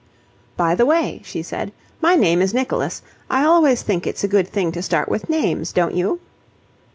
"By the way," she said, "my name is Nicholas. I always think it's a good thing to start with names, don't you?"